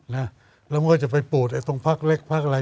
แล้วมันก็จะไปปูดตรงภักดิ์เล็กภักดิ์อะไร